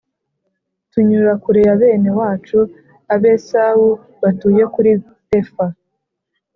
Tunyura kure ya bene wacu Abesawu batuye kuri pefa